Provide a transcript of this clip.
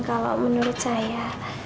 kalau menurut saya